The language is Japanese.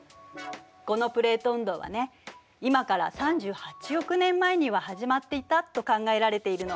このプレート運動はね今から３８億年前には始まっていたと考えられているの。